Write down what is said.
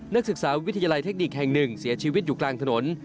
นักศึกษาวิทยาลัยเทคนิคแห่งหนึ่งเสียชีวิตอยู่กลางถนน